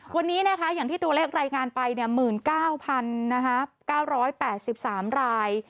วันนี้นะคะอย่างที่ตัวเลขรายงานไป๑๙๙๘๓ราย